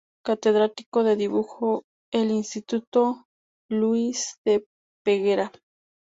Catedrático de dibujo en el Instituto Lluís de Peguera.